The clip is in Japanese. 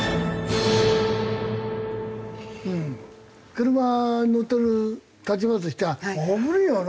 車乗ってる立場としては危ねえよな。